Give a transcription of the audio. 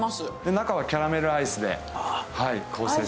中はキャラメルアイスで構成しております。